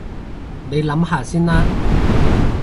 你諗下先啦